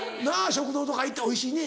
食堂とか行って「おいしいね」